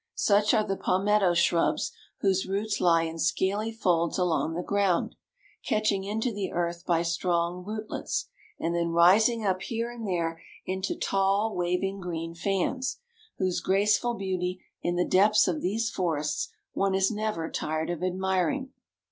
Such are the palmetto shrubs, whose roots lie in scaly folds along the ground, catching into the earth by strong rootlets, and then rising up here and there into tall, waving green fans, whose graceful beauty in the depths of these forests one is never tired of admiring.